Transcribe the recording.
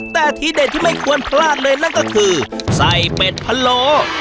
แต่ที่เด็ดที่ไม่ควรพลาดเลยนั่นก็คือไส้เป็ดพะโล